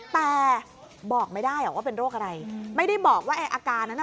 แต่บอกไม่ได้หรอกว่าเป็นโรคอะไรไม่ได้บอกว่าไอ้อาการนั้นน่ะ